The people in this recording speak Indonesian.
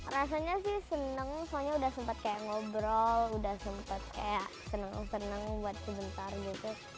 rasanya sih seneng soalnya udah sempat kayak ngobrol udah sempat kayak seneng seneng buat sebentar gitu